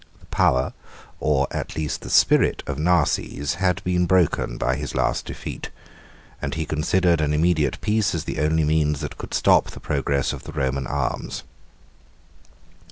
74 The power, or at least the spirit, of Narses, had been broken by his last defeat; and he considered an immediate peace as the only means that could stop the progress of the Roman arms.